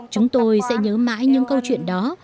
chúng tôi sẽ nhớ mãi những câu chuyện đó